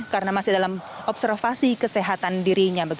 karena masih dalam observasi kesehatan dirinya